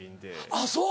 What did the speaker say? あっそう。